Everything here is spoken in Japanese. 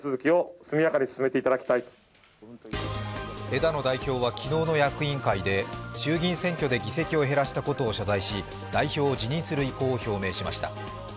枝野代表は昨日の役員会で衆議院選挙で議席を減らしたことを謝罪し代表を辞任する意向を表明しました。